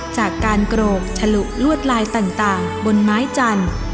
จากการโกรกฉลุลวดลายต่างบนไม้จันทร์